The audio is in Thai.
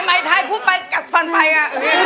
ไม่ไทยผู้ไปจัดฟันไปอ่ะ